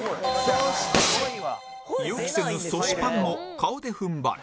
「そして」予期せぬそしパンも顔で踏ん張る